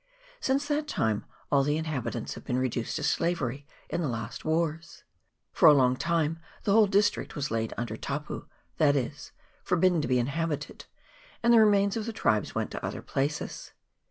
Since that time all the inhabitants have been reduced to slavery in their last wars. For a long time the whole district was laid under " tapu," that is, forbidden to be inhabited, and the remains of the tribes went to other places.